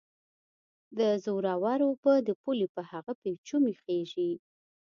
د زورورو اوبه د پولې په هغه پېچومي خېژي